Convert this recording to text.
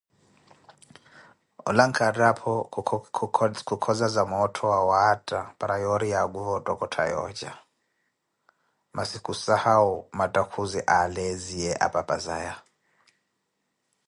Olankha attaapho khukhozaza moottho wawaatta para yoori yaakuve ottokottha yooca, masi khusahawu mattakhuzi aleezeliye apapazaya.